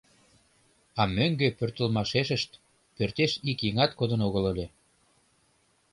А мӧҥгӧ пӧртылмашешышт, пӧртеш ик еҥат кодын огыл ыле.